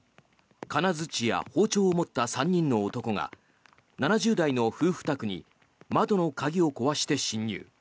金づちや包丁を持った３人の男が７０代の夫婦宅に窓の鍵を壊して侵入。